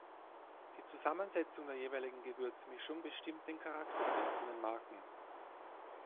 Die Zusammensetzung der jeweiligen Gewürzmischung bestimmt den Charakter der einzelnen Marken.